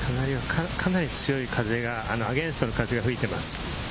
かなり強い風、アゲンストの風が吹いています。